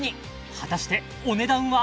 果たしてお値段は？